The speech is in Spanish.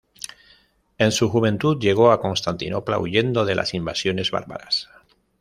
En su juventud llegó a Constantinopla huyendo de las invasiones bárbaras.